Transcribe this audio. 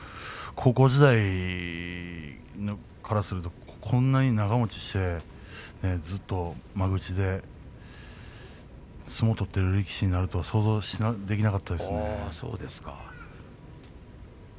高校時代からするとこんなに長もちをしてずっと幕内で相撲を取っている力士になるとは想像できなかったですね。